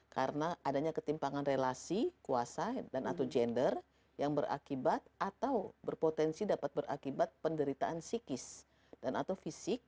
karena adanya ketimpangan relasi kuasa dan atau gender yang berakibat atau berpotensi dapat berakibat penderitaan psikis dan atau fisik